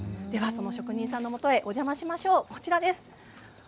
職人さんのもとにお邪魔しましょう。